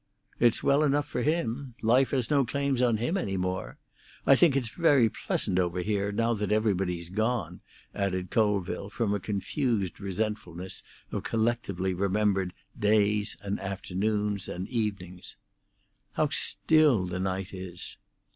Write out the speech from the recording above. "It's well enough for him. Life has no claims on him any more. I think it's very pleasant over here, now that everybody's gone," added Colville, from a confused resentfulness of collectively remembered Days and Afternoons and Evenings. "How still the night is!"